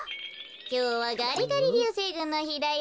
きょうはガリガリりゅうせいぐんのひだよ。